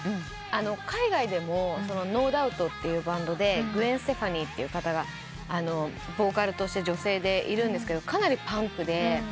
海外でもＮＯＤＯＵＢＴっていうバンドでグウェン・ステファニーって方がボーカルとして女性でいるんですけどかなりパンクで。